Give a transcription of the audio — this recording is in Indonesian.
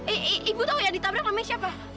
eh ibu tau yang ditabrak namanya siapa